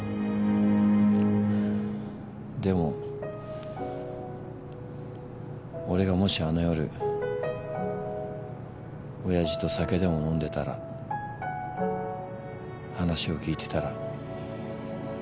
でも俺がもしあの夜おやじと酒でも飲んでたら話を聞いてたら。